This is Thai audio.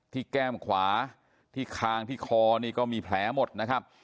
แก้มขวาที่คางที่คอนี่ก็มีแผลหมดนะครับ